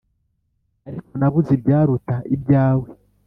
ariko nabuze ibyaruta ibyawe